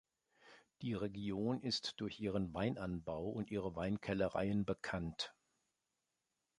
Die Region ist durch ihren Weinanbau und ihre Weinkellereien bekannt.